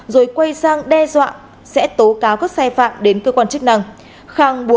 rồi quay sang đe dọa sẽ tố cáo các xe phạm đến cơ quan chức năng